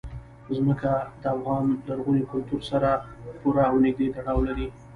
ځمکه د افغان لرغوني کلتور سره پوره او نږدې تړاو لري.